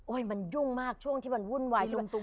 โอ้ยมันยุ่งมากช่วงที่มันวุ่นวาย